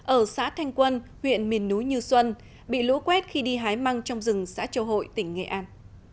ở xã thanh quân huyện miền núi như xuân bị lũ quét khi đi hái măng trong rừng xã châu hội tỉnh nghệ an